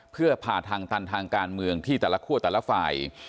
เพื่อผ่าทางตันทางการเมืองที่แต่ละคั่วแต่ละฝ่าย